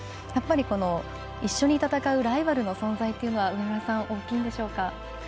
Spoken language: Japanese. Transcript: やっぱり一緒に戦うライバルの存在というのは大きいんでしょうか？